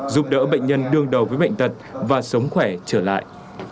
giúp đỡ bệnh nhân đương đầu với bệnh tật và sống khỏe trở lại